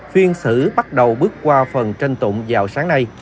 phiên xử bắt đầu bước qua phần tranh tụng vào sáng nay